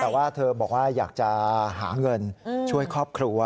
แต่ว่าเธอบอกว่าอยากจะหาเงินช่วยครอบครัว